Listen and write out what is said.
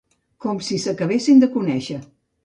Com si s'acabessin de conèixer.